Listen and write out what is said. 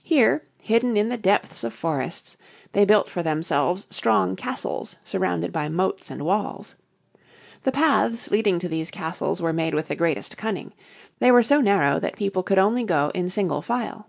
Here, hidden in the depths of forests, they built for themselves strong castles surrounded by moats and walls. The paths leading to these castles were made with the greatest cunning. They were so narrow that people could only go in single file.